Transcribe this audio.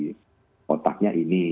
ini yang sebagai otaknya ini